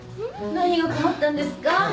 何が困ったんですか？